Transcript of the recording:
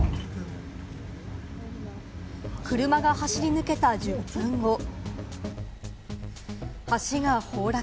車が走り抜けた１０分後、橋が崩落。